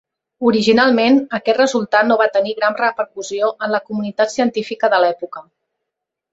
Originalment, aquest resultat no va tenir gran repercussió en la comunitat científica de l'època.